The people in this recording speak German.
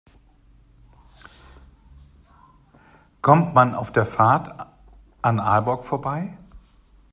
Kommt man auf der Fahrt an Aalborg vorbei?